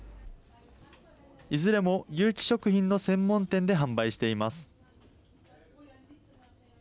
いずれも、有機食品の専門店で販売しています。